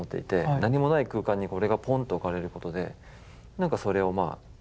何もない空間にこれがポンと置かれることで何かそれを感じる。